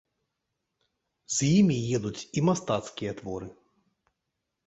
З імі едуць і мастацкія творы.